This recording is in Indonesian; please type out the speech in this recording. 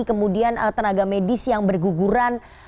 kemudian tenaga medis yang berguguran